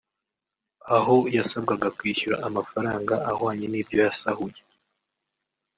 aho yasabwaga kwishyura amafaranga ahwanye n’ ibyo yasahuye